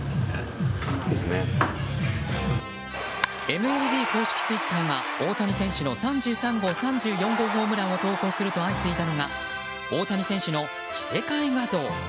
ＭＬＢ公式ツイッターが大谷選手の３３号、３４号ホームランを投稿すると、相次いだのが大谷選手の着せ替え画像。